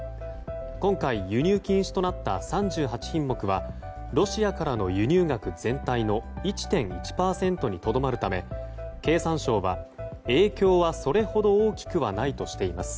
今回、輸入禁止となった３８品目はロシアからの輸入額全体の１．１％にとどまるため経産省は、影響はそれほど大きくはないとしています。